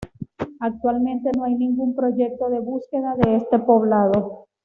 Actualmente no hay ningún proyecto de búsqueda de este poblado.